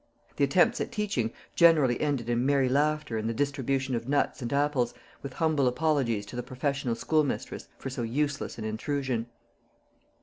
The attempts at teaching generally ended in merry laughter and the distribution of nuts and apples, with humble apologies to the professional schoolmistress for so useless an intrusion.